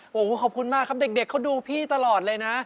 โอ้โหขอบคุณมากครับเด็กเขาดูพี่ตลอดเลยนะ